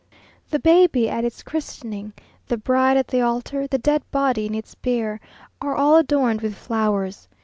The baby at its christening, the bride at the altar, the dead body in its bier, are all adorned with flowers.